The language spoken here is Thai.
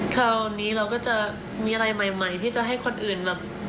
คราวนี้เราก็จะมีอะไรใหม่ที่จะให้คนอื่นแบบ